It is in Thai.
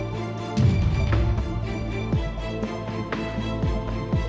หรือจะลองให้ตัวเป้น